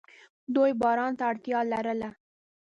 دوی باران ته اړتیا لرله.